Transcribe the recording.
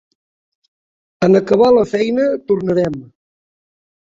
En acabar la feina tornarem.